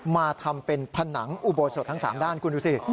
มาทำเป็นผนังอุโบสถทั้ง๓ด้านคุณดูสิ